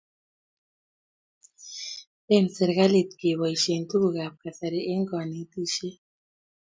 len serekalit kebaishien tuguk ab kasari eng kanatishiet